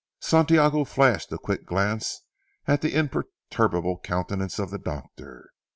Santiago flashed a quick glance at the imperturbable countenance of the doctor.